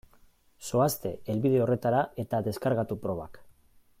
Zoazte helbide horretara eta deskargatu probak.